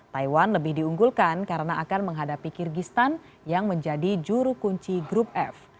taiwan lebih diunggulkan karena akan menghadapi kyrgyzstan yang menjadi juru kunci grup f